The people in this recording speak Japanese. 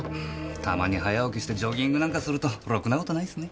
たまに早起きしてジョギングなんかするとろくな事ないっすね。